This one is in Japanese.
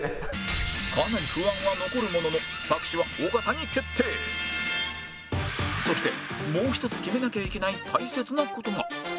かなり不安は残るもののそしてもう一つ決めなきゃいけない大切な事が